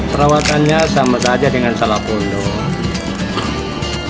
perawatannya sama saja dengan salak gula